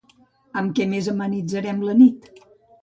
Amb què més amenitzaren la nit?